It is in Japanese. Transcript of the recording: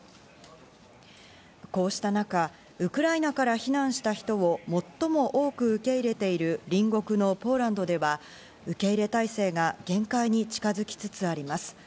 こうした中、ウクライナから避難した人を最も多く受け入れている隣国のポーランドでは、受け入れ態勢が限界に近づきつつあります。